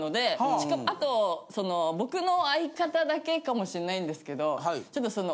しかもあと僕の相方だけかもしんないんですけどちょっとその。